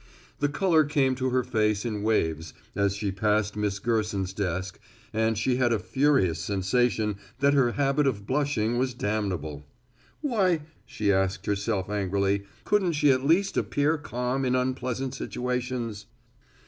The color came to her face in waves as she passed Miss Gerson's desk and she had a furious sensation that her habit of blushing was damnable. Why, she asked herself angrily, couldn't she at least appear calm in unpleasant situations!